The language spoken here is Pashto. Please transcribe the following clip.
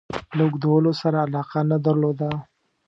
له اوږدولو سره علاقه نه درلوده.